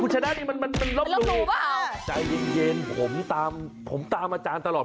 คุณชนะนี่มันล้มหนูเลยใจเย็นผมตามผมตามอาจารย์ตลอด